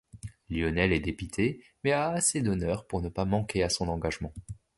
Lionel est dépité mais a assez d'honneur pour ne pas manquer à son engagement.